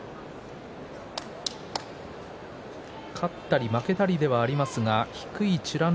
勝ったり負けたりではありますが低い美ノ